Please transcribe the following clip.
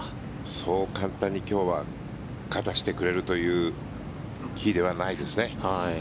そう簡単に今日は勝たせてくれるという日ではないですね。